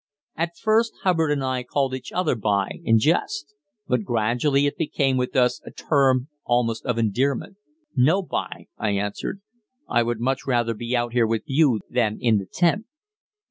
At first Hubbard and I called each other "b'y" in jest, but gradually it became with us a term almost of endearment. "No, b'y," I answered; "I would much rather be out here with you than in the tent."